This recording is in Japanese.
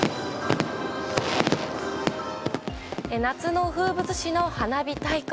夏の風物詩の花火大会。